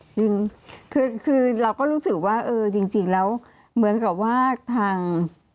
จริงคือเราก็รู้สึกว่าเออจริงแล้วเหมือนกับว่าทาง